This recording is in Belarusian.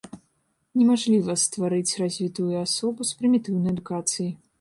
Немажліва стварыць развітую асобу з прымітыўнай адукацыяй!